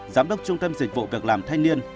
giám đốc trung tâm dịch vụ việc làm thanh niên